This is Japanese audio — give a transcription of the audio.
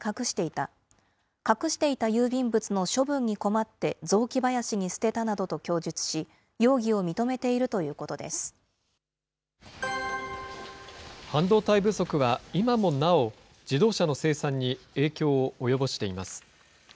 隠していた郵便物の処分に困って、雑木林に捨てたなどと供述し、容半導体不足は今もなお、自動車の生産に影響を及ぼしています。